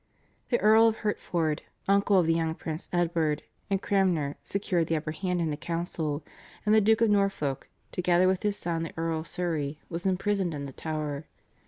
The Earl of Hertford, uncle of the young Prince Edward and Cranmer secured the upper hand in the council, and the Duke of Norfolk, together with his son the Earl of Surrey, was imprisoned in the Tower (Dec.